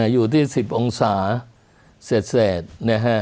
อยู่ที่๑๐องศาเสร็จนะฮะ